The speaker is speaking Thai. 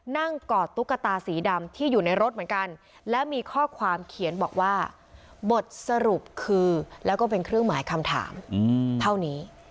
กอดตุ๊กตาสีดำที่อยู่ในรถเหมือนกันและมีข้อความเขียนบอกว่าบทสรุปคือแล้วก็เป็นเครื่องหมายคำถามเท่านี้